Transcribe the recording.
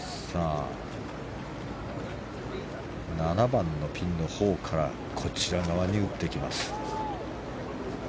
７番のピンのほうからこちら側に打ってきます。